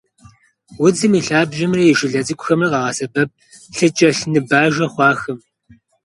Удзым и лъабжьэмрэ и жылэ цӏыкӏухэмрэ къагъэсэбэп лъыкӏэлъныбажэ хъуахэм.